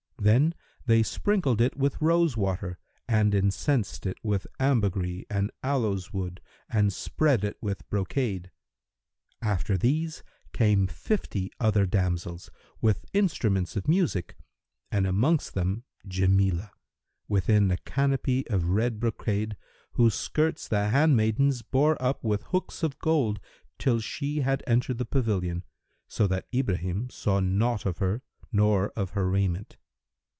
Then they sprinkled it with rose water and incensed it with ambergris and aloes wood and spread it with brocade. After these came fifty other damsels, with instruments of music, and amongst them Jamilah, within a canopy of red brocade, whose skirts the handmaidens bore up with hooks of gold, till she had entered the pavilion, so that Ibrahim saw naught of her nor of her raiment.